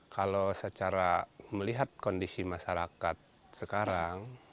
kalau secara melihat kondisi masyarakat sekarang